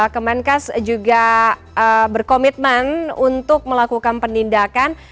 kemenkes juga berkomitmen untuk melakukan penindakan